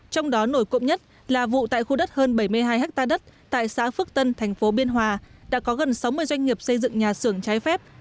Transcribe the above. trong đó nổi cộng nhất là vụ tại khu đất hơn bảy mươi hai ha đất tại xã phước tân thành phố biên hòa đã có gần sáu mươi doanh nghiệp xây dựng nhà xưởng trái phép